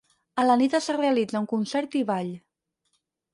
A la nit es realitza un concert i ball.